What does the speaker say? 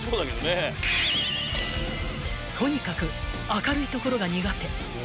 ［とにかく明るい所が苦手］